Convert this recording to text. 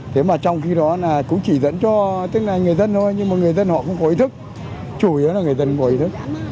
thế mà trong khi đó là cũng chỉ dẫn cho tức là người dân thôi nhưng mà người dân họ cũng có ý thức chủ yếu là người dân có ý thức